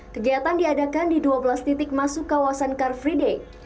kegiatan diadakan di dua belas titik masuk kawasan car free day